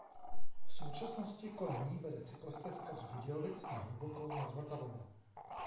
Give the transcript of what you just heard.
V současnosti kolem ní vede cyklostezka z Budějovic na Hlubokou nad Vltavou.